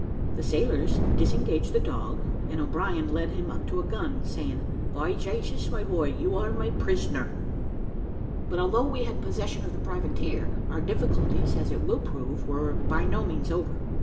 The sailors disengaged the dog, and O'Brien led him up to a gun, saying, "By Jasus, my boy, you are my prisoner." But although we had possession of the privateer, our difficulties, as it will prove, were by no means over.